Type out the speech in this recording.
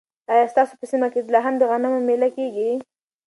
ایا ستاسو په سیمه کې لا هم د غنمو مېله کیږي؟